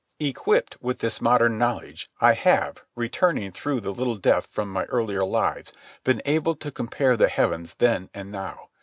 Equipped with this modern knowledge, I have, returning through the little death from my earlier lives, been able to compare the heavens then and now.